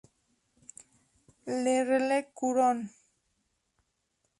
Le Relecq-Kerhuon